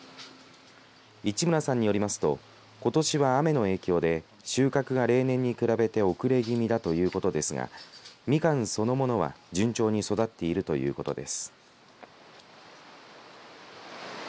市村さんによりますとことしは雨の影響で収穫が例年に比べて遅れ気味だということですがみかんそのものは順調に育っているということです。